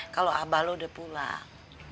kalo abah lo udah pulang